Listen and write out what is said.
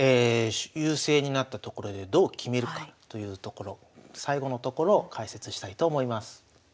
優勢になったところでどう決めるかというところ最後のところを解説したいと思います。